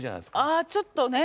ああちょっとね。